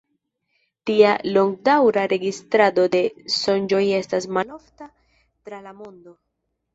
Tia longdaŭra registrado de sonĝoj estas malofta tra la mondo.